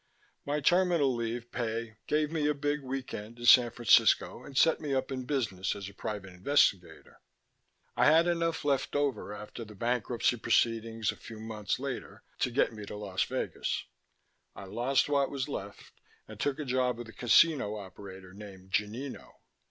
My terminal leave pay gave me a big weekend in San Francisco and set me up in business as a private investigator. "I had enough left over after the bankruptcy proceedings a few months later to get me to Las Vegas. I lost what was left and took a job with a casino operator named Gonino.